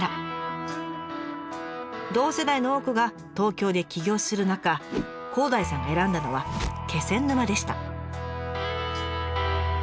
同世代の多くが東京で起業する中広大さんが選んだのは気仙沼でした。